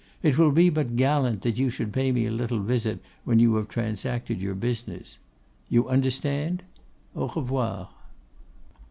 It will be but gallant that you should pay me a little visit when you have transacted your business. You understand. _Au revoir!